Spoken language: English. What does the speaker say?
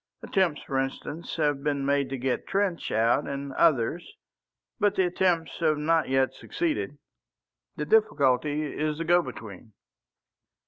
Attempts, for instance, have been made to get Trench out and others, but the attempts have not yet succeeded. The difficulty is the go between."